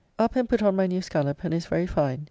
Up and put on my new Scallop, and is very fine.